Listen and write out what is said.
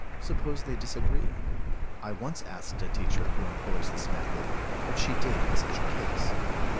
Suppose they disagree? I once asked a teacher who employs this method what she did in such a case.